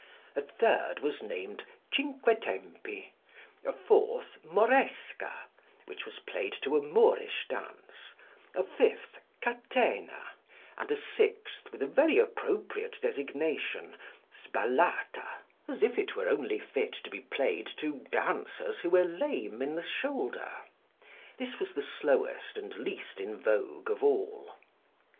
A third was named "Cinque tempi:" a fourth "Moresca," which was played to a Moorish dance; a fifth, "Catena;" and a sixth, with a very appropriate designation, "Spallata," as if it were only fit to be played to dancers who were lame in the shoulder. This was the slowest and least in vogue of all.